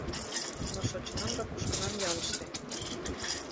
Но шочынам да кушкынам ялыште.